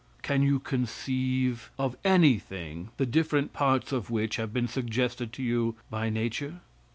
Can you conceive of anything the different parts of which have been suggested to you by nature?